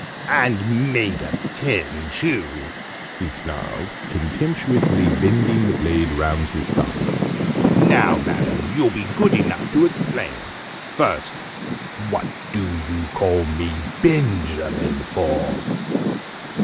And made of tin, too!" he snarled, contemptuously bending the blade round his thumb. "Now, Madam, you'll be good enough to explain. First, what do you call me Benjamin for?"